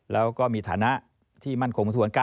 แล้วก็มีฐานะที่มั่นคง๐๙